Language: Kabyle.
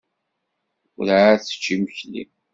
Werɛad tečči imekli.